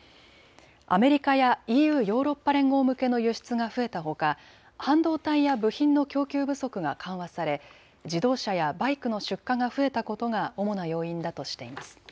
アメリカやＥＵ・ヨーロッパ連合向けの輸出が増えたほか、半導体や部品の供給不足が緩和され自動車やバイクの出荷が増えたことが主な要因だとしています。